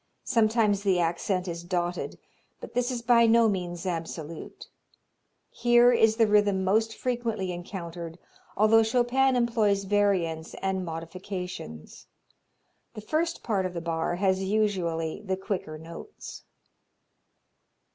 Sometimes the accent is dotted, but this is by no means absolute. Here is the rhythm most frequently encountered, although Chopin employs variants and modifications. The first part of the bar has usually the quicker notes.